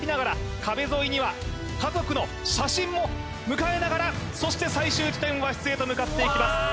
壁沿いには家族の写真も迎えながらそして最終地点和室へと向かっていきます